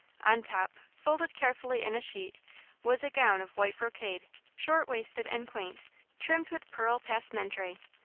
On top, folded carefully in a sheet, was a gown of white brocade, short waisted and quaint, trimmed with pearl passementerie.